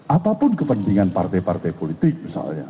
apapun kepentingan partai partai politik misalnya